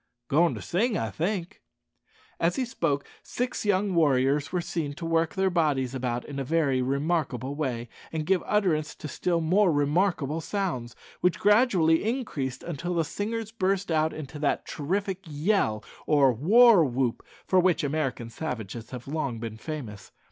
"Goin' to sing, I think," replied Joe. As he spoke six young warriors were seen to work their bodies about in a very remarkable way, and give utterance to still more remarkable sounds, which gradually increased until the singers burst out into that terrific yell, or war whoop, for which American savages have long been famous.